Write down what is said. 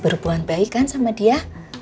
berhubungan baik kan sama dia